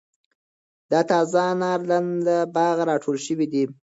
دا تازه انار نن له باغه را ټول شوي دي.